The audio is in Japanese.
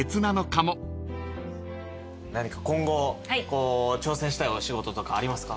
何か今後挑戦したいお仕事とかありますか？